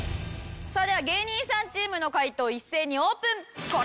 それでは芸人さんチームの解答一斉にオープン。